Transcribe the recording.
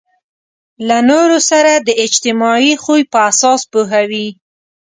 له نورو سره د اجتماعي خوی په اساس پوهوي.